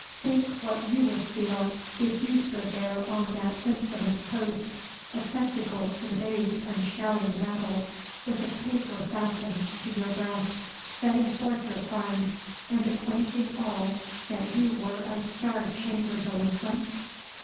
Think what you would feel, if you stood there on that infamous post, a spectacle to the base and shouting rabble, with a paper fastened to your breast, setting forth your crimes, and acquainting all that you were a Star Chamber delinquent?"